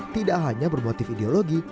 tidak hanya bermotif ideologi